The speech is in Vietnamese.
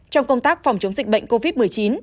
trong công tác phòng chống dịch bệnh covid một mươi chín